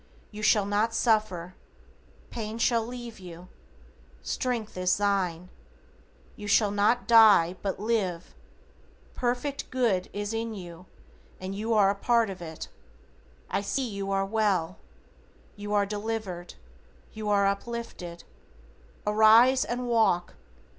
You shall not suffer. Pain shall leave you. Strength is thine. You shall not die, but live. Perfect Good is in you and you are a part of it. I see you well. You are delivered. You are uplifted. Arise and walk.